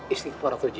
istighfar tuh ji